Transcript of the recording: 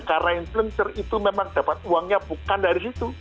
karena influencer itu memang dapat uangnya bukan dari situ